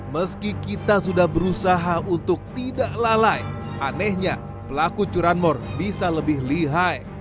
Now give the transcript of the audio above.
meski kita sudah berusaha untuk tidak lalai anehnya pelaku curanmor bisa lebih lihai